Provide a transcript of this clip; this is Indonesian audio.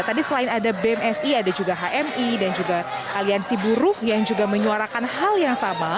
tadi selain ada bmsi ada juga hmi dan juga aliansi buruh yang juga menyuarakan hal yang sama